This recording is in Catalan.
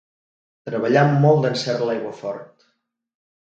Treballà amb molt d'encert l'aiguafort.